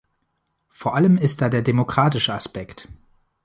Vor allem ist da der demokratische Aspekt.